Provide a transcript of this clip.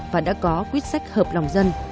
và đã có quyết sách hợp lòng dân